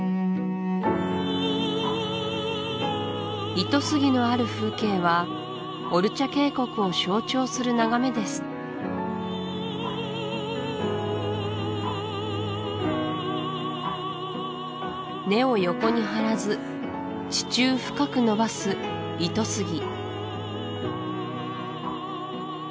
イトスギのある風景はオルチャ渓谷を象徴する眺めです根を横に張らず地中深く伸ばすイトスギ